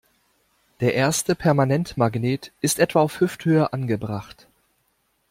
Der erste Permanentmagnet ist etwa auf Hüfthöhe angebracht.